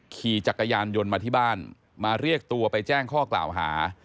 ขี่จักรยานยนต์มาที่บ้านมาเรียกตัวไปแจ้งข้อกล่าวหา